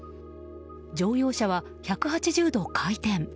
乗用車は１８０度回転。